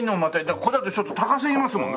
これだとちょっと高すぎますもんね